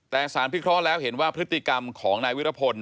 แต่สารพิเคราะห์แล้วเห็นว่าพฤติกรรมของนายวิรพล